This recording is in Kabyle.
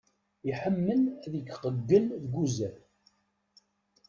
Iḥemmel ad iqeggel deg uzal.